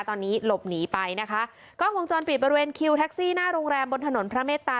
ตอนนี้หลบหนีไปนะคะกล้องวงจรปิดบริเวณคิวแท็กซี่หน้าโรงแรมบนถนนพระเมตตา